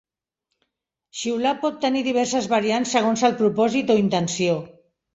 Xiular pot tenir diverses variants segons el propòsit o intenció.